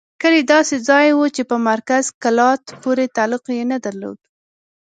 کلی داسې ځای وو چې په مرکز کلات پورې تعلق یې نه درلود.